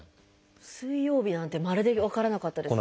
「水曜日」なんてまるで分からなかったですね。